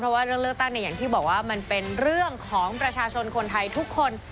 เพราะว่าเรื่องเลือกตั้งเนี่ยอย่างที่บอกว่ามันเป็นเรื่องของประชาชนคนไทยทุกคน